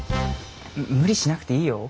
無理しなくていいよ。